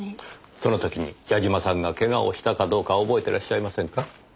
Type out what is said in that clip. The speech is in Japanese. その時に矢嶋さんが怪我をしたかどうか覚えていらっしゃいませんか？